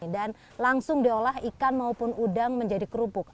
dan langsung diolah ikan maupun udang menjadi kerupuk